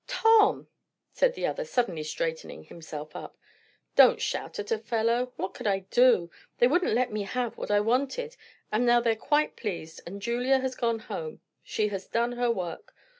"Tom!" said the other, suddenly straightening himself up. "Don't shout at a fellow! What could I do? They wouldn't let me have what I wanted; and now they're quite pleased, and Julia has gone home. She has done her work.